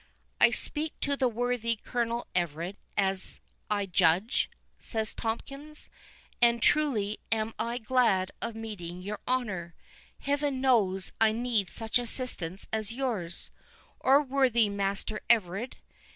"I speak to the worthy Colonel Everard, as I judge?" said Tomkins; "and truly I am glad of meeting your honour. Heaven knows, I need such assistance as yours.—Oh, worthy Master Everard!